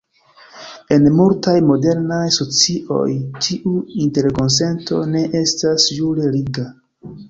En multaj modernaj socioj tiu interkonsento ne estas jure liga.